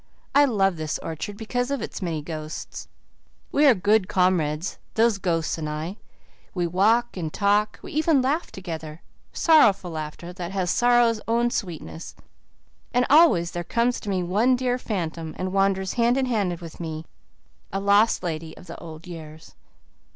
I love this orchard because of its many ghosts. We are good comrades, those ghosts and I; we walk and talk we even laugh together sorrowful laughter that has sorrow's own sweetness. And always there comes to me one dear phantom and wanders hand in hand with me a lost lady of the old years."